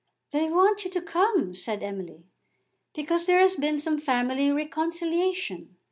"They want you to come," said Emily, "because there has been some family reconciliation.